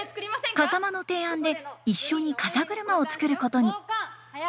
風間の提案で一緒に風車を作ることに。